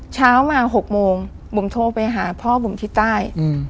เช้ามา๖โมงบุ๋มโทรไปหาพ่อบุ๋มที่ใต้